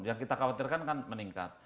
yang kita khawatirkan kan meningkat